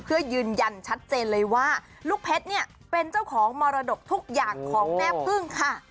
เพื่อยืนยันชัดเจนเลยว่าลูกเพชรเนี่ยเป็นเจ้าของมรดกทุกอย่างของแม่พึ่งค่ะ